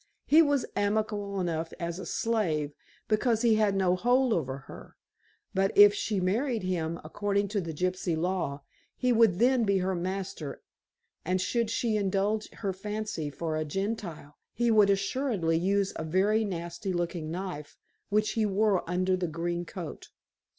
He was amiable enough as a slave, because he had no hold over her, but if she married him according to the gypsy law, he would then be her master, and should she indulge her fancy for a Gentile, he would assuredly use a very nasty looking knife, which he wore under the green coat.